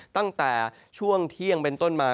ตั้งแต่ช่วงเที่ยงเป็นต้นมา